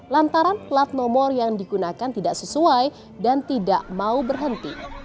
lantaran plat nomor yang digunakan tidak sesuai dan tidak mau berhenti